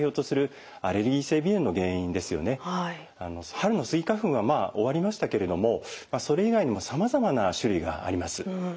春のスギ花粉はまあ終わりましたけれどもそれ以外にもさまざまな種類があります。